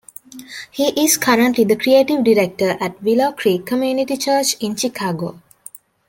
He is currently the creative director at Willow Creek Community Church in Chicago.